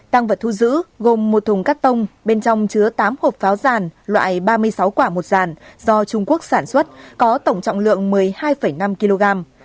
tăng vật thu giữ gồm một thùng cắt tông bên trong chứa tám hộp pháo giàn loại ba mươi sáu quả một dàn do trung quốc sản xuất có tổng trọng lượng một mươi hai năm kg